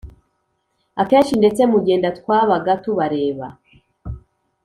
Akenshi ndetse mugenda Twabaga tubareba